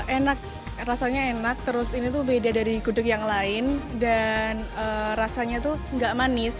enak rasanya enak terus ini tuh beda dari gudeg yang lain dan rasanya tuh gak manis